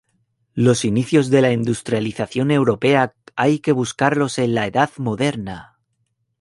Los inicios de la industrialización europea hay que buscarlos en la Edad Moderna.